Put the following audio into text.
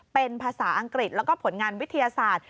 เป็นภาษาอังกฤษแล้วก็ผลงานวิทยาศาสตร์